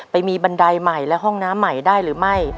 ไปมีบันไดใหม่และห้องน้ำใหม่ได้หรือไม่